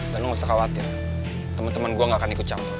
dan lu gak usah khawatir temen temen gua gak akan ikut campur